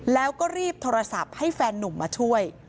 แล้วก็รีบโทรศัพท์ให้แฟนนุ่มมาช่วย